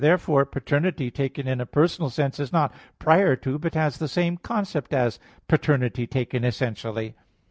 Therefore paternity taken in a personal sense is not prior to, but has the same concept as, paternity taken essentially.